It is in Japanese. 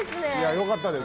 よかったです